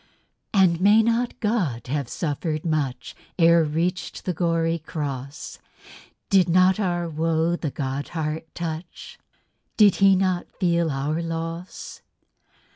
And may not God have suffered much Ere reached the gory cross? Did not our woe the God heart touch? Did He not feel our loss?